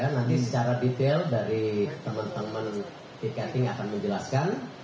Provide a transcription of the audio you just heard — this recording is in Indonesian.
nanti secara detail dari teman teman tiketing akan menjelaskan